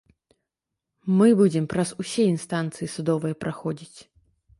Мы будзем праз усе інстанцыі судовыя праходзіць.